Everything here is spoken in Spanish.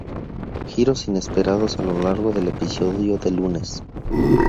Giros inesperados a lo largo del episodio del lunes".